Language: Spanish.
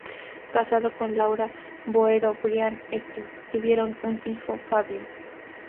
Casado con Laura Boero Brian, tuvieron un hijo, Fabio.